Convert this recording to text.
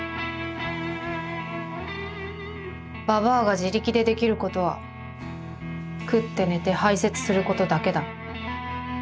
「ばばあが自力でできることは食って寝て排泄することだけだ。